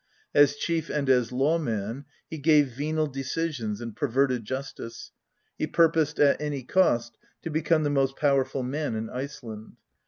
As chief and as lawman, he gave venal decisions and perverted justice; he purposed at any cost to become the most powerful man in Iceland.